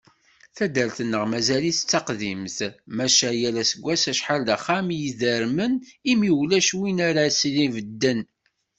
Taddart-nneɣ mazal-itt d taqdimt, maca yal aseggas acḥal d axxam i idermen, imi ulac win ara asen-ibedden.